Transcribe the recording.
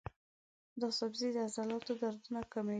دا سبزی د عضلاتو دردونه کموي.